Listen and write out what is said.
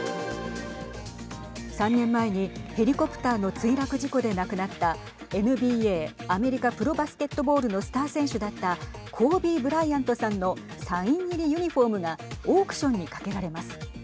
３年前にヘリコプターの墜落事故で亡くなったＮＢＡ＝アメリカプロバスケットボールのスター選手だったコービー・ブライアントさんのサイン入りユニホームがオークションにかけられます。